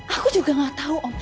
aku juga gak tahu om